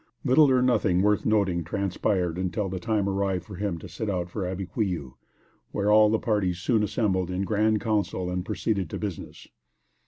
Little or nothing worth noting transpired until the time arrived for him to set out for Abiquiu, where all parties soon assembled in grand council and proceeded to business.